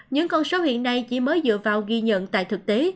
những con số hiện nay chỉ mới dựa vào ghi nhận tại thực tế